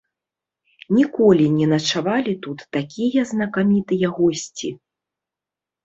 Ніколі не начавалі тут такія знакамітыя госці.